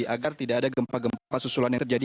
agar tidak ada gempa gempa susulan yang terjadi